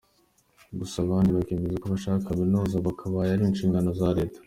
Gusa abandi bakemeza ko kubaka kaminuza byakabaye ari inshingano za Leta.